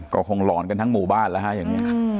ก็คงหลอนกันทั้งหมู่บ้านแล้วฮะอย่างนี้